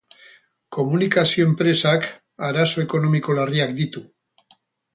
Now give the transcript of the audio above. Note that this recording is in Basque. Komunikazio-enpresak arazo ekonomiko larriak ditu.